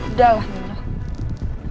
udah lah mino